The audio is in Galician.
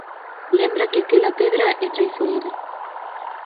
"Lembra que aquela pedra é traizoeira".